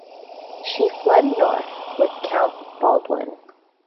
She fled north with Count Baldwin.